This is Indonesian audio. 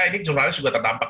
ini jurnalis juga terdampak